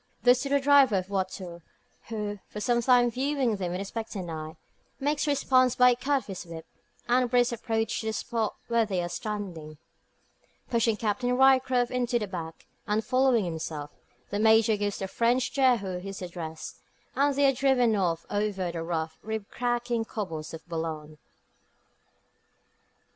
This to the driver of a voiture, who, for some time viewing them with expectant eye, makes response by a cut of his whip, and brisk approach to the spot where they are standing. Pushing Captain Ryecroft into the back, and following himself, the Major gives the French Jehu his address, and they are driven off over the rough, rib cracking cobbles of Boulogne.